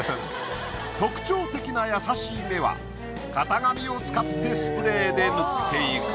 特徴的な優しい目は型紙を使ってスプレーで塗っていく。